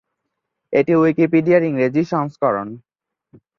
এটি উইকিপিডিয়ার ইংরেজি সংস্করণ।